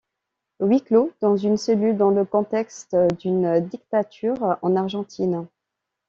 Huis clos dans une cellule dans le contexte d'une dictature en Argentine.